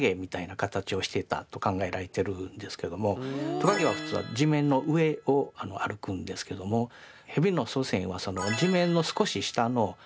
トカゲは普通地面の上を歩くんですけどもヘビの祖先は地面の少し下の落ち葉の下あたりですね